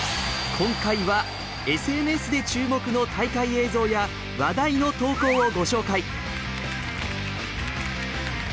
今回はＳＮＳで注目の大会映像や話題の投稿をご紹介。